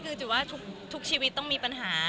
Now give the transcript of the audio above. คือถือว่าทุกชีวิตต้องมีปัญหา